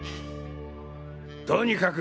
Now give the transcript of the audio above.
とにかく！